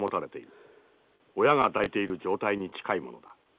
親が抱いている状態に近いものだ。